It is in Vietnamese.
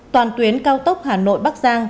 toàn tuyến cao tốc hà nội bắc giang